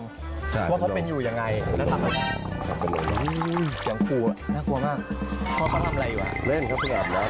เพราะเขาเป็นอยู่ยังไงน่ากลับมาก